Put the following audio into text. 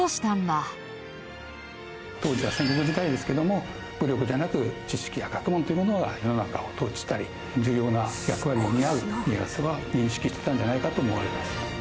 当時は戦国時代ですけども武力じゃなく知識や学問というものが世の中を統治したり重要な役割を担うと家康は認識していたんじゃないかと思われます。